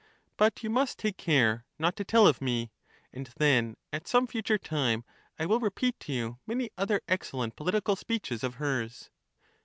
But you must take care not to tell of me, Menexenus. and then at some future time I will repeat to you many other Socrates, excellent political speeches of hers.